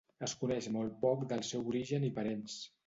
Es coneix molt poc del seu origen i parents.